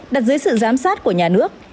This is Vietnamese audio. đặt dưới sự giám sát của nhà nước